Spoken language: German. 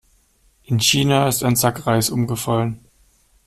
In China ist ein Sack Reis umgefallen.